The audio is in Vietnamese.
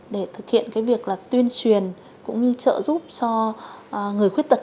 để thực hiện việc tuyên truyền cũng như trợ giúp cho người khuyết tật